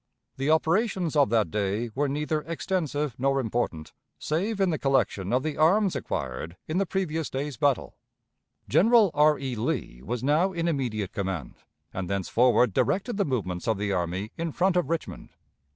The operations of that day were neither extensive nor important, save in the collection of the arms acquired in the previous day's battle. General R. E. Lee was now in immediate command, and thenceforward directed the movements of the army in front of Richmond.